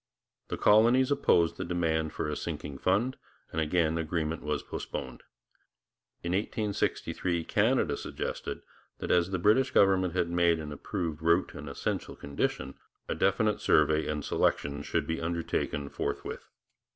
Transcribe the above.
The colonies opposed the demand for a sinking fund, and again agreement was postponed. In 1863 Canada suggested that, as the British government had made an approved route an essential condition, a definite survey and selection should be undertaken forthwith.